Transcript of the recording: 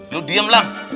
lu diam lam